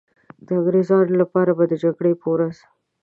د انګریزانو لپاره به د جګړې په ورځ.